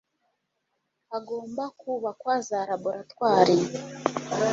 hagomba kubakwa za laboratwari